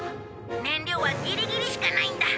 燃料はギリギリしかないんだ。